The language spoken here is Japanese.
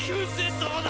そうだ。